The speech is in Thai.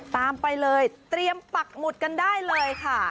ไปเลยเตรียมปักหมุดกันได้เลยค่ะ